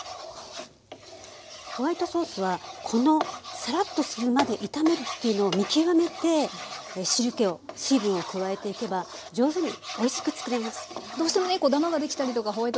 ホワイトソースはこのサラッとするまで炒めるというのを見極めて汁けを水分を加えていけば上手においしくつくれます。